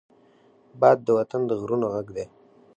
باد د وطن د غرونو غږ دی